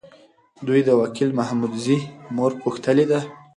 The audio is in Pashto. دوی د وکیل محمدزي مور پوښتلي ده.